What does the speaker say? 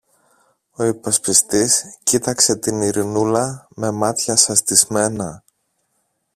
Ο υπασπιστής κοίταξε την Ειρηνούλα με μάτια σαστισμένα.